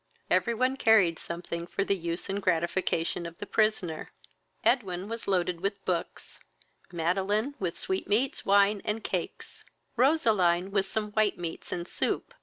Every one carried something for the use and gratification of the prisoner. Edwin was loaded with books; Madeline with sweetmeats, wine, and cakes; Roseline with some white meats and soup.